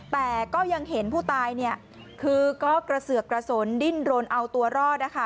แต่ก็ยังเห็นผู้ตายคือก็กระเสือกกระสนดิ้นรนเอาตัวรอดนะคะ